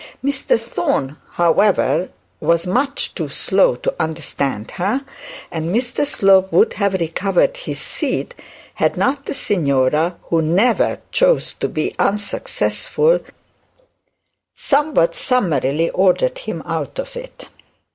Mr Thorne, however, was much too slow to understand her, and Mr Slope would have recovered his seat had not the signora, who never chose to be unsuccessful, somewhat summarily ordered him out of it.